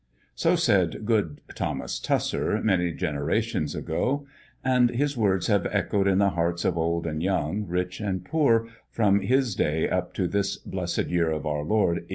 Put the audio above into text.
So said good Thomas Tusser, many generations ago, and his words have echoed in the hearts of old and young, rich and poor, from his day up to this blessed Year of Our Lord, 1898.